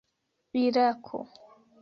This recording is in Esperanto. irako